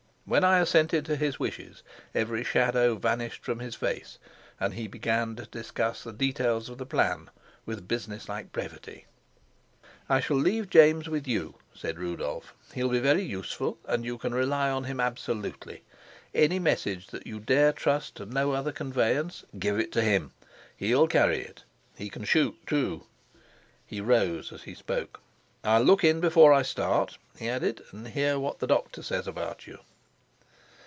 When I assented to his wishes, every shadow vanished from his face, and he began to discuss the details of the plan with business like brevity. "I shall leave James with you," said Rudolf. "He'll be very useful, and you can rely on him absolutely. Any message that you dare trust to no other conveyance, give to him; he'll carry it. He can shoot, too." He rose as he spoke. "I'll look in before I start," he added, "and hear what the doctor says about you."